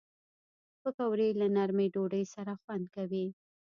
پکورې له نرمې ډوډۍ سره خوند کوي